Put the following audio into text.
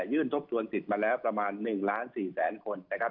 ทบทวนสิทธิ์มาแล้วประมาณ๑ล้าน๔แสนคนนะครับ